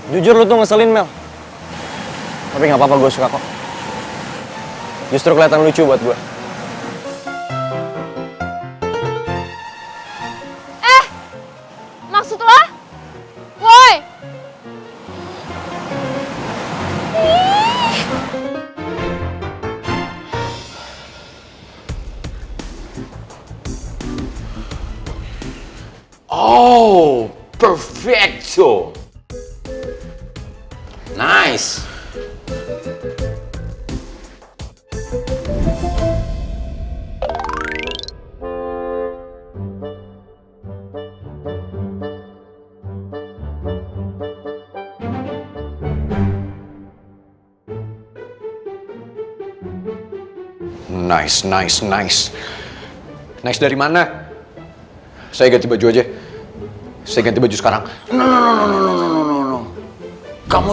terus gue yang ketipu